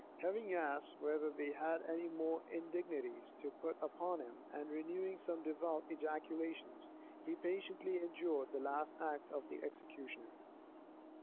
Having asked whether they had any more indignities to put upon him, and renewing some devout ejaculations, he patiently endured the last act of the executioner.